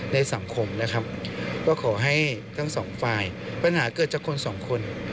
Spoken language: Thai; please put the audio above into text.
ในสังคมนะครับก็ขอให้ทั้งสองฝ่ายปัญหาเกิดจากคนสองคน